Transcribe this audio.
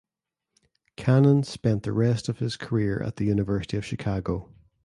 Cannon spent the rest of his career at the University of Chicago.